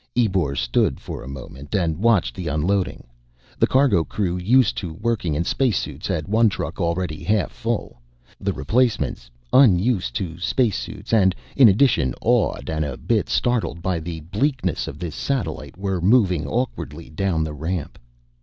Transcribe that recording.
Ebor stood for a moment and watched the unloading. The cargo crew, used to working in spacesuits, had one truck already half full. The replacements, unused to spacesuits and, in addition, awed and a bit startled by the bleakness of this satellite, were moving awkwardly down the ramp.